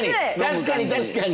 確かに確かに。